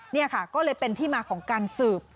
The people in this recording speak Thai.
นี่ค่ะก็เลยเป็นที่มาของการสืบ